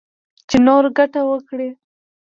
چـې نـوره ګـټـه وكړي.